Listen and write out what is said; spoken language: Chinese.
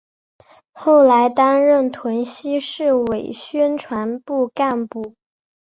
后来担任屯溪市委宣传部干部。